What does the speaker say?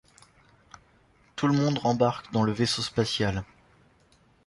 Tout le monde rembarque dans le vaisseau spatial.